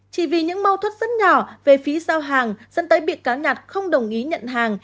chỉ vì những mâu thuất rất nhỏ về phí giao hàng dẫn tới bị cáo nhạt không đồng ý nhận hàng